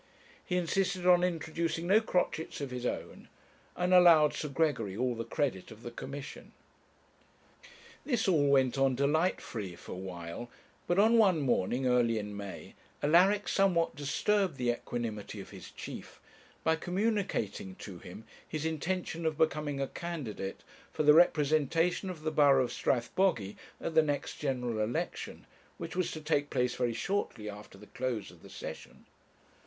He insisted on introducing no crotchets of his own, and allowed Sir Gregory all the credit of the Commission. This all went on delightfully for a while; but on one morning, early in May, Alaric somewhat disturbed the equanimity of his chief by communicating to him his intention of becoming a candidate for the representation of the borough of Strathbogy, at the next general election, which was to take place very shortly after the close of the session.